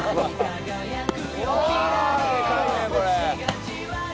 でかいねこれ。